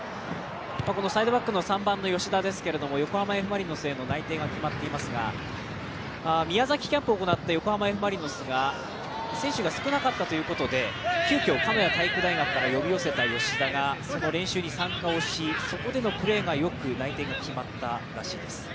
サイドバックの３番の吉田ですけど、横浜Ｆ・マリノスへの内定が決まっていますが宮崎キャンプを行った横浜Ｆ・マリノスが選手が少なかったということで、急きょ鹿屋体育大学から呼び寄せた吉田が参加し、そこでのプレーがよく、内定が決まったらしいです。